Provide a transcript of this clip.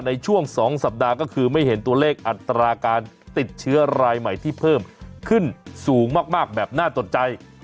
ในช่วง๒สัปดาห์ก็คือไม่เห็นตัวเลขอัตราการติดเชื้อรายใหม่ที่เพิ่มขึ้นสูงมากแบบน่าตกใจ